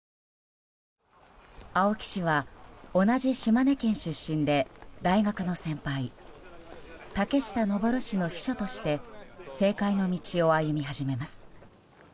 青木氏は同じ島根県出身で大学の先輩竹下登氏の秘書として政界の道を歩み始めます。